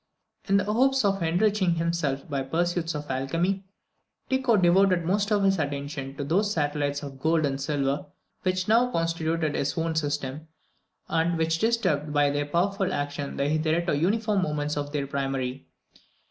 In the hopes of enriching himself by the pursuits of alchemy, Tycho devoted most of his attention to those satellites of gold and silver which now constituted his own system, and which disturbed by their powerful action the hitherto uniform movements of their primary.